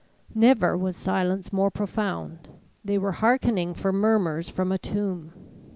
Never was silence more profound; they were hearkening for murmurs from a tomb.